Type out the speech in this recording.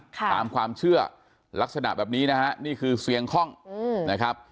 ตามความเชื่อลักษณะแบบนี้นะฮะนี่คือเสียงคล่องนะครับ